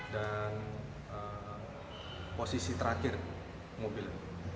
dan posisi terakhir mobil